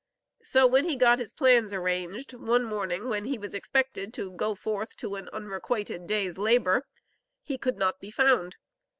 So when he got his plans arranged, one morning when he was expected to go forth to an unrequited day's labor, he could not be found.